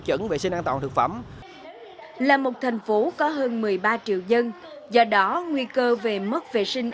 chuẩn vệ sinh an toàn thực phẩm là một thành phố có hơn một mươi ba triệu dân do đó nguy cơ về mất vệ sinh